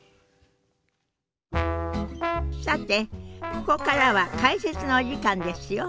さてここからは解説のお時間ですよ。